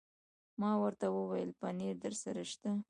ما ورته وویل: پنیر درسره شته؟